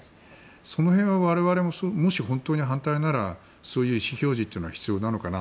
その辺は我々ももし本当に反対ならそういう意思表示というのは必要なのかな。